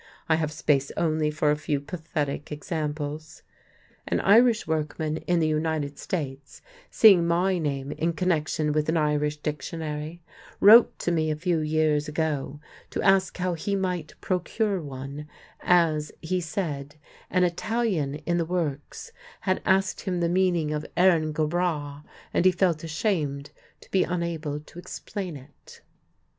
I have space only for a few pathetic examples. An Irish workman in the United States, seeing my name in connection with an Irish Dictionary, wrote to me a few years ago to ask how he might procure one, as, he said, an Italian in the works had asked him the meaning of Erin go bragh, and he felt ashamed to be unable to explain it.